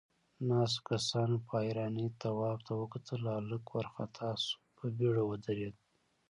ناستو کسانوپه حيرانۍ تواب ته وکتل، هلک وارخطا شو، په بيړه ودرېد.